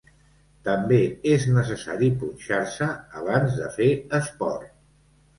També és necessari punxar-se abans de fer esport.